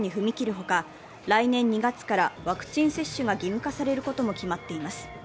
ほか来年２月からワクチン接種が義務化されることも決まっています。